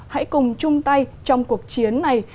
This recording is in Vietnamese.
hãy cùng chung tay trong cuộc chiến này